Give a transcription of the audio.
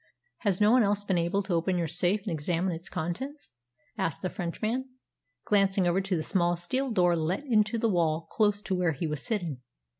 "Has no one else been able to open your safe and examine its contents?" asked the Frenchman, glancing over to the small steel door let into the wall close to where he was sitting.